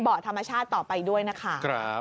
บอดธรรมชาติต่อไปด้วยนะคะครับ